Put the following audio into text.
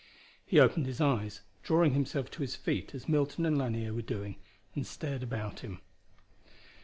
He opened his eyes, drawing himself to his feet as Milton and Lanier were doing, and stared about him.